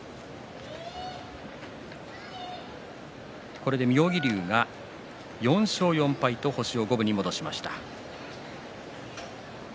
これで妙義龍が４勝４敗と星を五分に戻しました。